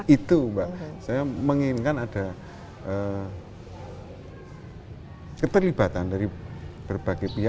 itu mbak saya menginginkan ada keterlibatan dari berbagai pihak